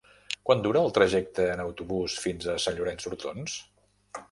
Quant dura el trajecte en autobús fins a Sant Llorenç d'Hortons?